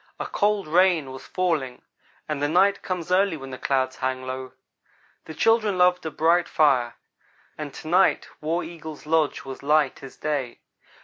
A cold rain was falling, and the night comes early when the clouds hang low. The children loved a bright fire, and to night War Eagle's lodge was light as day.